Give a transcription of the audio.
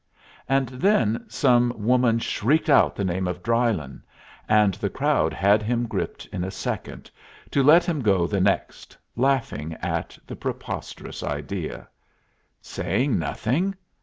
And then some woman shrieked out the name of Drylyn, and the crowd had him gripped in a second, to let him go the next, laughing at the preposterous idea. Saying nothing?